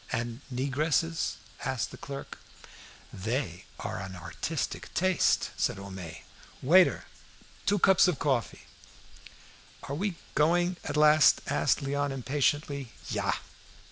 "And negresses?" asked the clerk. "They are an artistic taste!" said Homais. "Waiter! two cups of coffee!" "Are we going?" at last asked Léon impatiently. "Ja!"